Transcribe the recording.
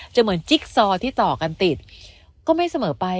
เหมือนจิ๊กซอที่ต่อกันติดก็ไม่เสมอไป